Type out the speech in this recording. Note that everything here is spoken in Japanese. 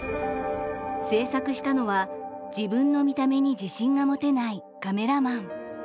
制作したのは自分の見た目に自信が持てないカメラマン。